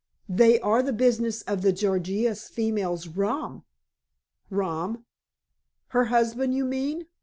"They are the business of the Gorgious female's rom." "Rom? Her husband, you mean.